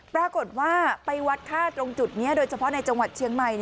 ปรากฏว่าไปวัดค่าตรงจุดนี้โดยเฉพาะในจังหวัดเชียงใหม่